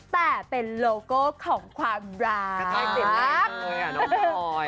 แต่เป็นโลโก้ของความรัก